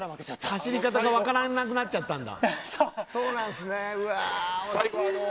走り方が分からなくなっちゃったんだ。